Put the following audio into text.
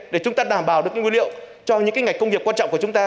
để chúng ta đảm bảo được nguyên liệu cho những ngành công nghiệp quan trọng của chúng ta